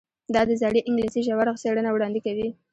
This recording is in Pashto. دا د زړې انګلیسي ژوره څیړنه وړاندې کوي.